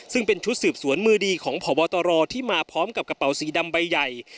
ซึ่งเป็นชุดสืบสวนมือดีของพบตรที่มาพร้อมกับกระเป๋าสีดำใบใหญ่